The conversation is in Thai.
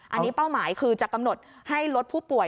อันนี้เป้าหมายคือจะกำหนดให้ลดผู้ป่วย